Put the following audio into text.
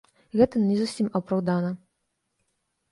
Гэта не зусім апраўдана.